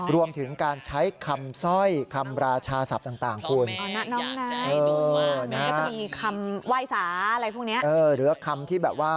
รวมถึงการใช้คำสร้อยคำราชาศัพท์ต่างคุณ